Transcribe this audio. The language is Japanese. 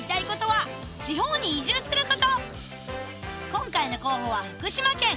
今回の候補は福島県